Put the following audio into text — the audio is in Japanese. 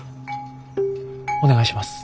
お願いします。